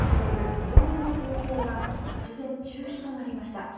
２度目の投票が突然、中止となりました。